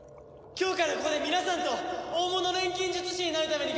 今日からここで皆さんと大物錬金術師になるために頑張ります！